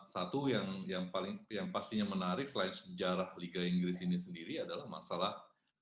satu yang pastinya menarik selain sejarah liga inggris ini sendiri adalah masalah